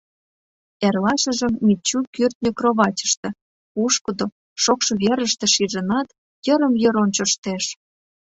Эрлашыжым Мичу кӱртньӧ кроватьыште, пушкыдо, шокшо верыште шижынат, йырым-йыр ончыштеш.